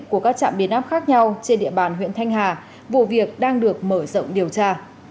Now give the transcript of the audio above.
của các trạm biến áp khác nhau trên địa bàn huyện thanh hà vụ việc đang được mở rộng điều tra